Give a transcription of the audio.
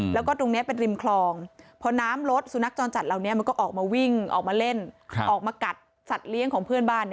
แล้วก็ตรงนี้เป็นริมคลองพอน้ำลดสุนัขจรจัดเหล่านี้มันก็ออกมาวิ่งออกมาเล่นออกมากัดสัตว์เลี้ยงของเพื่อนบ้าน